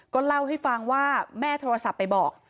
ก็เล่าให้ฟังว่าแม่โทรศัพท์ไปบอก